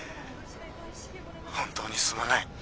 本当にすまない。